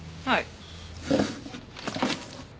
はい。